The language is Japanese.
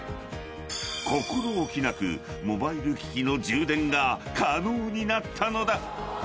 ［心置きなくモバイル機器の充電が可能になったのだ］